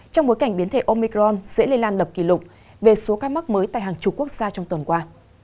trong bối cảnh biến thể omicron dễ lây lan đập kỷ lục về số ca mắc mới tại hàng chục quốc gia trong tuần qua